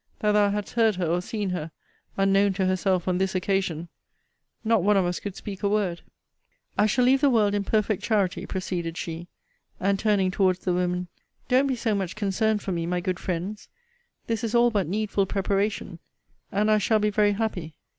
that thou hadst heard her or seen her, unknown to herself, on this occasion! Not one of us could speak a word. I shall leave the world in perfect charity, proceeded she. And turning towards the women, don't be so much concerned for me, my good friends. This is all but needful preparation; and I shall be very happy.